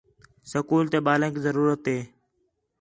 سکول تے ٻالینک ضرورت ہے